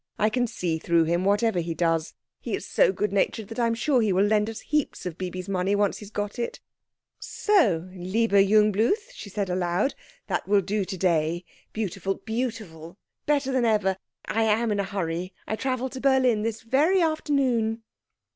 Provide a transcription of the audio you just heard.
I can see through him, whatever he does. He is so good natured that I am sure he will lend us heaps of Bibi's money once he has got it. So, lieber Jungbluth," she said aloud, "that will do to day. Beautiful beautiful better than ever. I am in a hurry. I travel to Berlin this very afternoon."